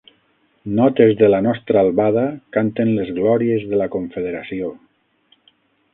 Notes de la nostra albada canten les glòries de la Confederació.